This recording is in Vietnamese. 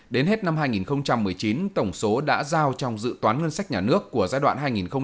đến hết năm hai nghìn một mươi chín tổng số đã giao trong dự toán ngân sách nhà nước của giai đoạn hai nghìn một mươi sáu hai nghìn hai mươi